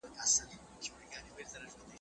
حیا له کلونو شعرونه لیکي.